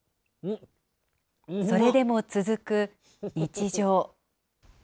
それでも続く日常。